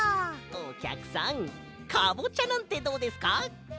おきゃくさんカボチャなんてどうですか？